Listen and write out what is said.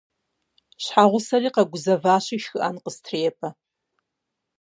Щхьэгъусэри къэгузэващи шхыӀэн къыстрепӀэ.